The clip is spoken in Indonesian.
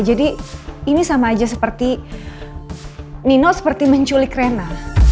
jadi ini sama aja seperti nino seperti menculik reina